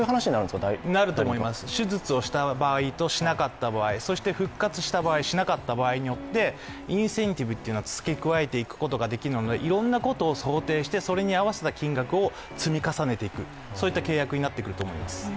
なると思います、手術をした場合、しなかった場合そして復活した場合、しなかった場合によってインセンティブを付け加えていくことができるのでいろんなことを想定してそれに合わせた金額を積み重ねる、そういった契約になると思います。